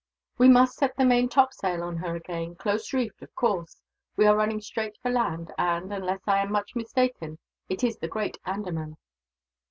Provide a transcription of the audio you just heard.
"We must set the main top sail on her again, close reefed, of course. We are running straight for land and, unless I am much mistaken, it is the great Andaman.